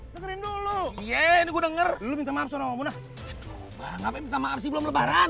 dengerin dulu yeh ini gue denger lu minta maaf sama muna itu ngapain minta maaf sih belum lebaran